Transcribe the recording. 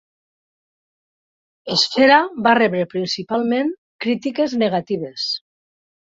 "Esfera" va rebre principalment crítiques negatives.